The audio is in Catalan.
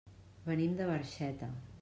Venim de Barxeta.